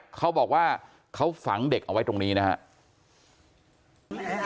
เขาบอกว่าเขาฝังเด็กเอาไว้ตรงนี้นะครับ